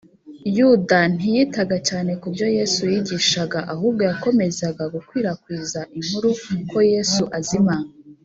yuda ntiyitaga cyane ku byo yesu yigishaga, ahubwo yakomezaga gukwirakwiza inkuru ko yesu azima